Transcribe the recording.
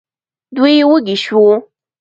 دوی وږي شوو.